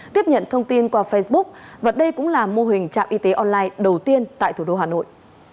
tiếp nhận thông tin qua facebook và đây cũng là mô hình trạm y tế online đầu tiên tại thủ đô hà nội